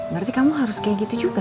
berarti kamu harus kayak gitu juga